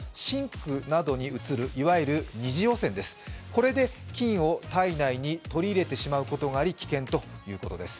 これで菌を体内に取り入れてしまうことがあり、危険ということです。